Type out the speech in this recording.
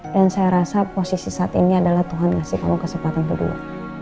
dan saya rasa posisi saat ini adalah tuhan ngasih kamu kesempatan kedua